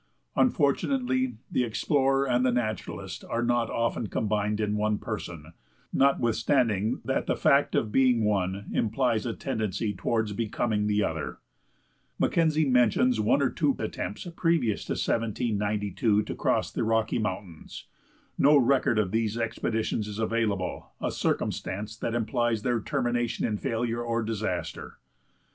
Unfortunately, the explorer and the naturalist are not often combined in one person, notwithstanding that the fact of being one, implies a tendency toward becoming the other. Mackenzie mentions one or two attempts previous to 1792 to cross the Rocky Mountains. No record of these expeditions is available, a circumstance that implies their termination in failure or disaster.